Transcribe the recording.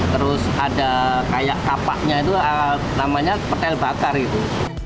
terus ada kayak kapaknya itu namanya petel bakar gitu